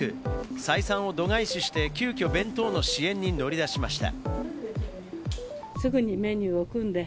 採算を度外視して、急きょ弁当の支援に乗り出しました。